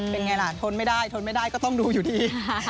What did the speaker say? เป็นไงล่ะทนไม่ได้ทนไม่ได้ก็ต้องดูอยู่ดี